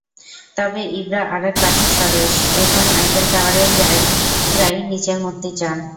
তবে ইব্রা আরেক কাঠি সরেস, এখন আইফেল টাওয়ারের জায়গায় নিজের মূর্তি চান।